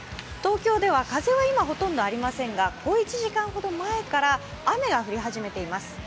東京では風は今ほとんどありませんが、小一時間ほど前から雨が降り始めています。